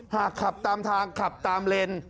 หากขับตามทางขับตามเลน